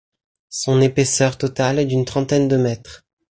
Son épaisseur totale est d'une trentaine de mètres.